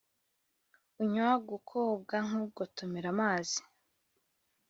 unywa gukobwa nk’ugotomera amazi’